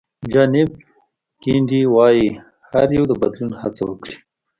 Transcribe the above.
جان اېف کېنیډي وایي هر یو د بدلون هڅه وکړي.